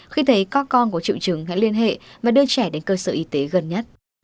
khi thấy các con có triệu chứng hãy liên hệ và đưa trẻ đến cơ sở y tế gần nhất